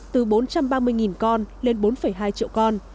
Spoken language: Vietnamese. từ bốn trăm ba mươi con lên bốn hai triệu con